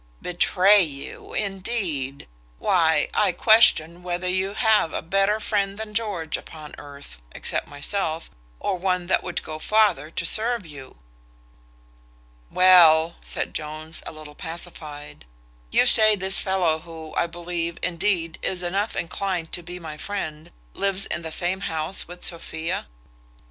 Betray you, indeed! why, I question whether you have a better friend than George upon earth, except myself, or one that would go farther to serve you." "Well," says Jones, a little pacified, "you say this fellow, who, I believe, indeed, is enough inclined to be my friend, lives in the same house with Sophia?"